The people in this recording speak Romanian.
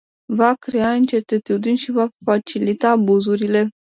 Va crea incertitudini și va facilita abuzurile.